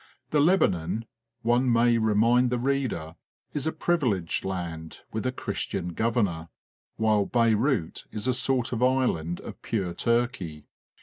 The Lebanon, one may remind the reader, is a privileged land with a Christian Governor; while Beyrout is a sort of island of pure Turkey.